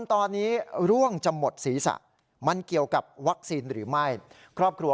ตอนนี้ร่วงจะหมดศีรษะมันเกี่ยวกับวัคซีนหรือไม่ครอบครัว